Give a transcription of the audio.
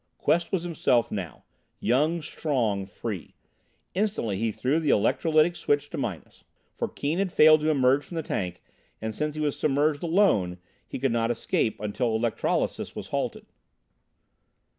Quest was himself now young, strong, free. Instantly he threw the electrolytic switch to minus. For Keane had failed to emerge from the tank, and since he was submerged alone, he could not escape until electrolysis was halted.